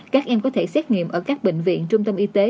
các em có thể xét nghiệm ở các bệnh viện trung tâm y tế